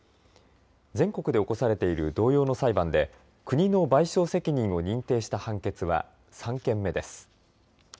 全国で起こされている同様の裁判で国の賠償責任を認定した判決は３件目です。